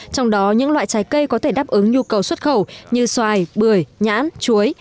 trong đó những loại trái cây có thể đáp ứng nhu cầu xuất khẩu như xoài bưởi nhãn chuối